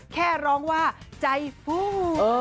แค่ร้องว่าใจฟู